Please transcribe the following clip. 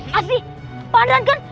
masih padat kan